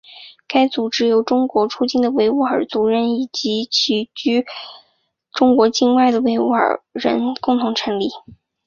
该组织由从中国出境的维吾尔族人以及旅居中国境外的维吾尔人共同成立。